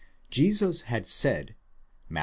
Jesus had said (Matt.